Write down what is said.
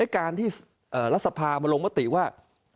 การที่รัฐสภามาลงมติว่า